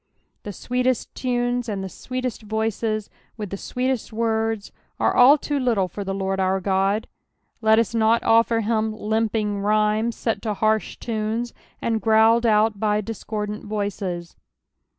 The sweetest tunes and the sweetest voices, with the sweetest nords, are all too little for the Lord our Ood ; let us not offer him limping rhymes, se^to harsh tunes, and growled out by discordant voices.